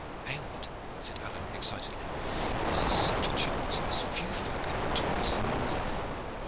"Aylward," said Alleyne excitedly, "this is such a chance as few folk have twice in one life.